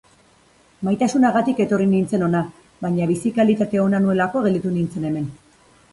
Maitasunagatik etorri nintzen hona, baina bizi kalitate ona nuelako gelditu nintzen hemen.